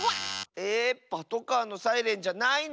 えパトカーのサイレンじゃないの？